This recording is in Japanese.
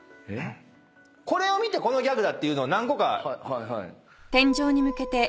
これを見てこのギャグだっていうのを何個か。